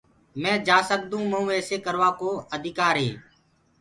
مي جآ سگدونٚ مئونٚ ايسيٚ ڪروآ ڪو اڌيڪآر هي